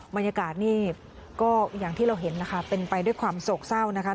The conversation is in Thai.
มันอยาการนี่ก็อย่างที่เราเห็นนะคะไปด้วยความโสกเศร้านะครับ